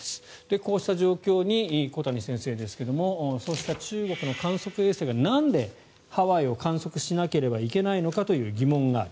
こうした状況に小谷先生ですがそうした中国の観測衛星がなんでハワイを観測しなければいけないのかという疑問はある。